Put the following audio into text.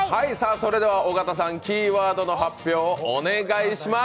それでは尾形さんキーワードの発表をお願いします。